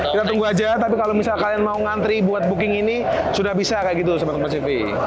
kita tunggu aja tapi kalau misal kalian mau ngantri buat booking ini sudah bisa kayak gitu sama tempat sivi